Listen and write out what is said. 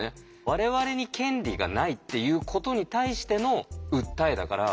我々に権利がないっていうことに対しての訴えだから。